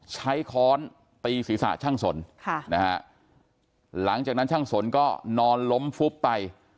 ใช้ค้อนตีศีรษะชั่งสนหลังจากนั้นชั่งสนก็นอนล้มฟุบไป